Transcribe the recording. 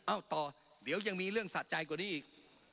ต่อเดี๋ยวยังมีเรื่องสะใจกว่านี้อีก